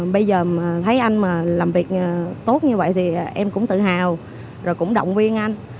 bây giờ thấy anh mà làm việc tốt như vậy thì em cũng tự hào rồi cũng động viên anh